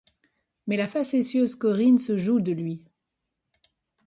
Mais la facétieuse Corinne se joue de lui.